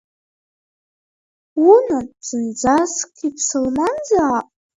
Уннан, зынӡаск иԥсылманзаап!